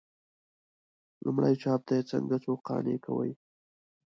لومړي چاپ ته یې څنګه څوک قانع کوي.